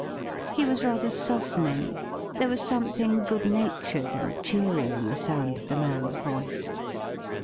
He was rather softening; there was something good natured and cheery in the sound of the man's voice.